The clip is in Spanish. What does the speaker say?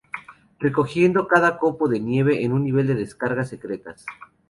Recogiendo cada copo de nieve en un nivel de descargas secretas.